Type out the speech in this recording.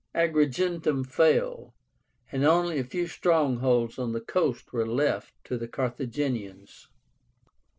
Agrigentum fell, and only a few strongholds on the coast were left to the Carthaginians.